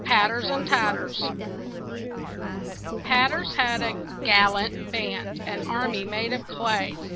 PATTERS AND TATTERS Patters had a gallant band, An army made of clay.